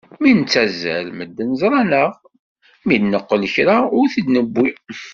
Mi nettazzal medden ẓran-aɣ, mi d-neqqel kra ur t-id-newwi.